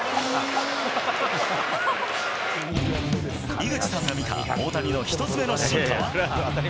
井口さんが見た大谷の１つ目の進化は。